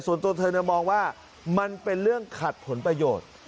ส่วนตัวเธอมองว่ามันเป็นเรื่องขัดผลประโยชน์